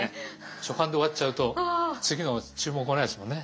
初版で終わっちゃうと次の注文来ないですもんね